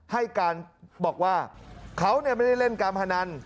ให้การบอกว่าเขาไม่ได้เล่นการพนัน